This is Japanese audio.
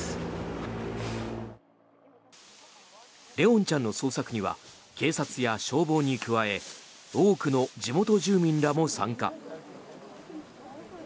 怜音ちゃんの捜索には警察や消防に加え多くの地元住民らも参加。